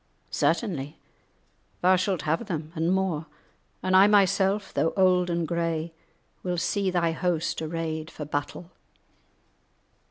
"Certainly thou shalt have them, and more, and I myself, though old and grey, will see thy host arrayed for battle."